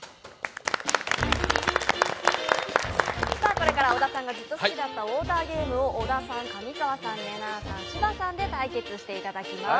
これから小田さんがずっと好きだったウォーターゲームを小田さん、上川さん、れなぁさん芝さんで対決していただきます。